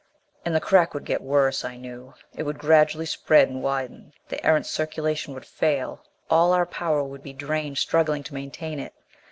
And the crack would get worse, I knew. It would gradually spread and widen. The Erentz circulation would fail. All our power would be drained struggling to maintain it.